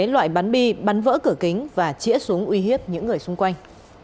loại bắn bi bắn vỡ cửa kính và chĩa xuống uy hiếp những người xung quanh